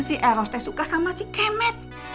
si eros teh suka sama si kemet